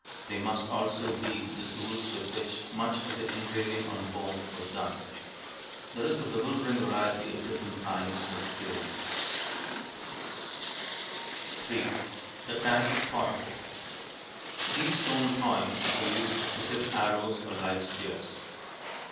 They must also be the tools with which much of the engraving on bone (see p. 83) was done. There is a bewildering variety of different kinds of burins. [Illustration: TANGED POINT] 3. The "tanged" point. These stone points were used to tip arrows or light spears.